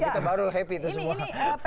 kita baru happy itu semua